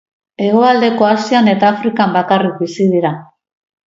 Hegoaldeko Asian eta Afrikan bakarrik bizi dira.